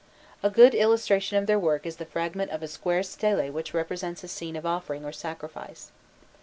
A good illustration of their work is the fragment of a square stele which represents a scene of offering or sacrifice.